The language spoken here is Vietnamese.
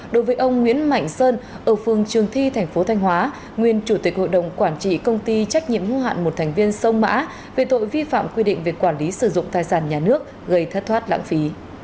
đối với ông nguyễn mạnh sơn ở phương trường thi thành phố thanh hóa nguyên chủ tịch hội đồng quản trị công ty trách nhiệm hưu hạn một thành viên sông mã về tội vi phạm quy định về quản lý sử dụng thai sản nhà nước gây thất thoát lãng phí